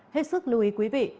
hết sức lưu ý quý vị